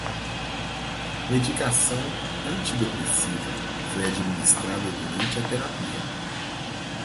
Medicação antidepressiva foi administrada durante a terapia